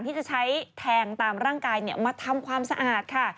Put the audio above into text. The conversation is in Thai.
ที่จะใช้แทงตามร่างกายมาทำความสะอาดค่ะ